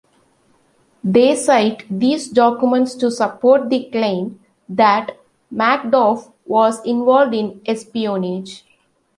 They cite these documents to support the claim that Magdoff was involved in espionage.